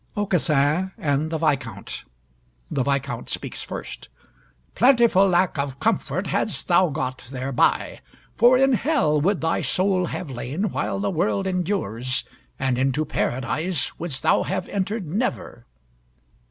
AUCASSIN AND THE VISCOUNT [The Viscount speaks first] "Plentiful lack of comfort hadst thou got thereby; for in Hell would thy soul have lain while the world endures, and into Paradise wouldst thou have entered never."